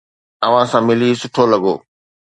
اوھان سان ملي سٺو لڳو.